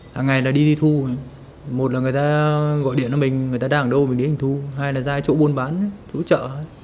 hàng ngày là đi đi thu một là người ta gọi điện cho mình người ta đang ở đâu mình đi đi thu hai là ra chỗ buôn bán thu chợ